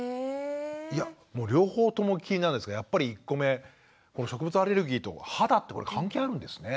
いやもう両方とも気になるんですけどやっぱり１個目この食物アレルギーと肌ってこれ関係あるんですね。